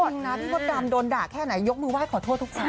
นะพี่มดดำโดนด่าแค่ไหนยกมือไห้ขอโทษทุกคน